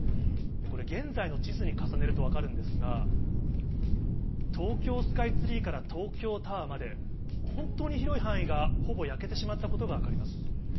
これ、現在の地図に重ねると分かるんですが、東京スカイツリーから東京タワーまで、本当に広い範囲がほぼ焼けてしまったことが分かります。